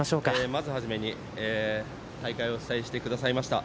まず初めに大会を主催してくださいました